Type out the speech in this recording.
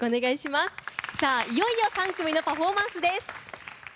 いよいよ３組のパフォーマンスです。